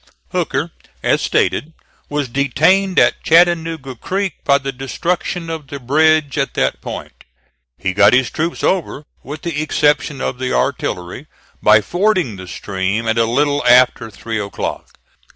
Hooker, as stated, was detained at Chattanooga Creek by the destruction of the bridge at that point. He got his troops over, with the exception of the artillery, by fording the stream at a little after three o'clock.